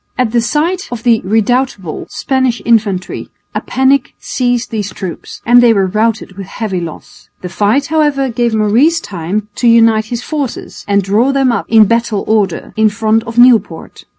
At the sight of the redoubtable Spanish infantry a panic seized these troops and they were routed with heavy loss. The fight, however, gave Maurice time to unite his forces and draw them up in battle order in front of Nieuport.